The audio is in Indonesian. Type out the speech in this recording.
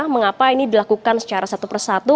mengapa ini dilakukan secara satu persatu